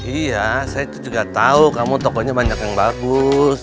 iya saya juga tahu kamu tokonya banyak yang bagus